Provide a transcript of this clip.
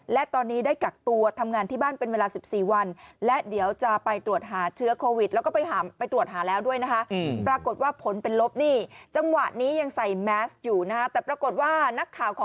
และตอนนี้ได้กักตัวทำงานที่บ้านเป็นเวลา๑๔วัน